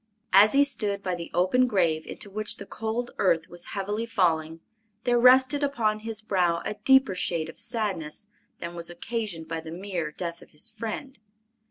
As he stood by the open grave into which the cold earth was heavily falling, there rested upon his brow a deeper shade of sadness than was occasioned by the mere death of his friend.